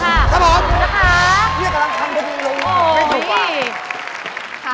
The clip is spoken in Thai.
พี่กำลังทำตำนานลงเพื่อถูกว่า